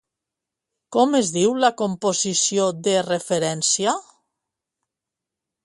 Com es diu la composició de referència?